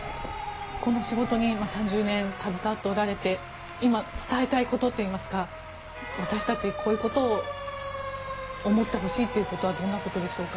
この仕事に３０年携わっておられて今、伝えたいことといいますか私たちはこういうことを思ってほしいということはどんなことでしょうか？